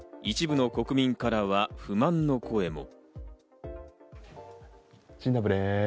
しかし、一部の国民からは不満の声も。